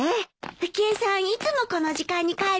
浮江さんいつもこの時間に帰るんですか？